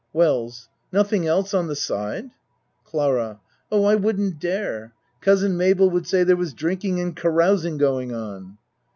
WELLS Nothing else on the side? CLARA Oh, I wouldn't dare. Cousin Mabel would say there was drinking and carousing going on.